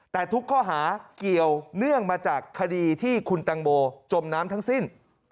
แต่ทุกข้อหาเกี่ยวเนื่องมาจากคดีที่คุณตังโมจมน้ำทั้งสิ้น